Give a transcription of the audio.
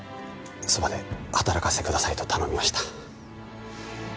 そばで働かせてくださいと頼みました。